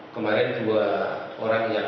kemarin dua orang yang